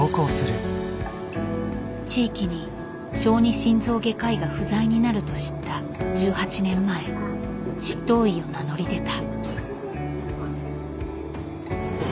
地域に小児心臓外科医が不在になると知った１８年前執刀医を名乗り出た。